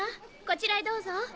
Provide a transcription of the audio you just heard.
こちらへどうぞ。